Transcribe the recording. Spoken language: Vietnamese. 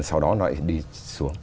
sau đó nó lại đi xuống